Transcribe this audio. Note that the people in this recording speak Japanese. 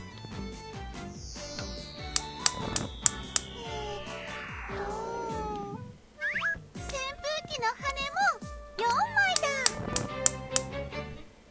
・えっとせんぷうきのはねも４まいだ！